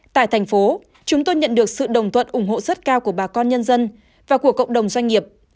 tại thành phố chúng tôi nhận được sự đồng tuận ủng hộ rất cao của bà con nhân dân và của cộng đồng doanh nghiệp